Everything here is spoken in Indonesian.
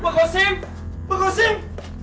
pak kosim pak kosim